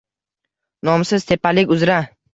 Nomsiz tepalik uzra